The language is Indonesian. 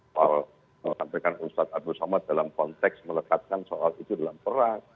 mengatakan ustaz abdul samad dalam konteks melekatkan soal itu dalam perang